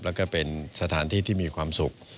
แล้วก็เป็นสถานที่ที่มีความสุข